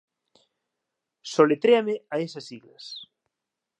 Soletréame esas siglas